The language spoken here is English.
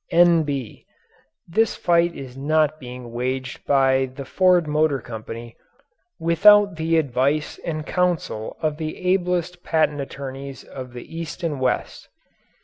N. B. This fight is not being waged by the Ford Motor Company without the advice and counsel of the ablest patent attorneys of the East and West.